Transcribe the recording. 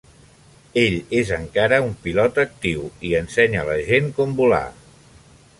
Ell és encara un pilot actiu i ensenya la gent com volar.